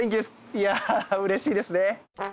いやうれしいですね。